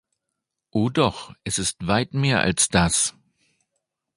Oh doch, es ist weit mehr als das!